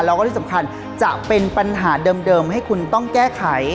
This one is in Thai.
แล้วก็ที่สำคัญจะเป็นปัญหาเดิมให้คุณต้องแก้ไข